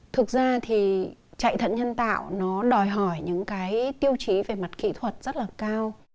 thực ra thì chạy thận nhân tạo nó đòi hỏi những cái tiêu chí về mặt kỹ thuật rất là cao